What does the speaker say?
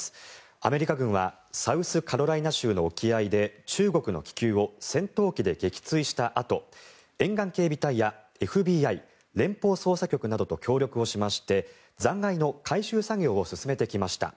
アメリカ軍はサウスカロライナ州の沖合で中国の気球を戦闘機で撃墜したあと沿岸警備隊やＦＢＩ・連邦捜査局などと協力しまして残骸の回収作業を進めてきました。